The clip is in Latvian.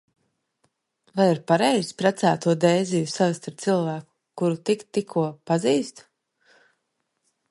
Vai ir pareizi precēto Dēziju savest ar cilvēku, kuru tik tikko pazīstu?